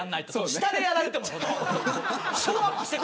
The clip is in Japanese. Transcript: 下でやられても。